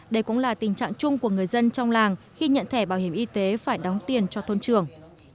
đây cũng là tình trạng chung của người dân trong làng khi nhận thẻ bảo hiểm y tế phải đóng tiền cho thôn trường